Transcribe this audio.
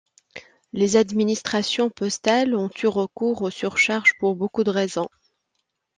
Les administrations postales ont eu recours aux surcharges pour beaucoup de raisons.